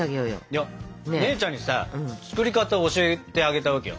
いや姉ちゃんにさ作り方教えてあげたわけよ。